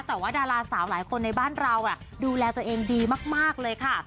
แต่ว่าดาราสาวหลายคนในบ้านเราดูแลตัวเองดีมากเลยค่ะ